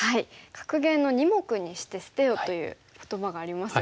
格言の「２目にして捨てよ」という言葉がありますが。